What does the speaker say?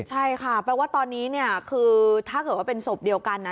ใช่ค่ะแปลว่าตอนนี้ถ้าเกิดว่าเป็นสมบเดียวกัน